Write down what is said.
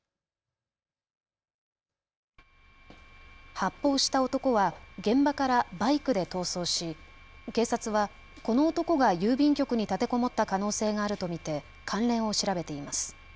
発砲した男は現場からバイクで逃走し警察はこの男が郵便局に立てこもった可能性があると見て関連を調べています。